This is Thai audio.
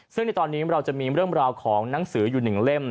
ซึ่งในตอนนี้เราจะมีเรื่องราวของหนังสืออยู่๑เล่ม